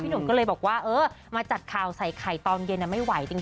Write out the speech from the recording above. หนุ่มก็เลยบอกว่าเออมาจัดข่าวใส่ไข่ตอนเย็นไม่ไหวจริง